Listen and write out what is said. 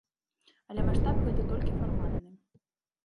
Але маштаб гэты толькі фармальны.